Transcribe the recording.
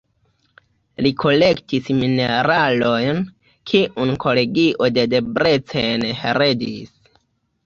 Li kolektis mineralojn, kiun kolegio de Debrecen heredis.